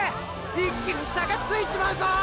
一気に差がついちまうぞ！！